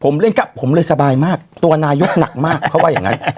ผมเล่นกราฟผมเลยสบายมากตัวนายกหนักมากเขาว่าอย่างนั้น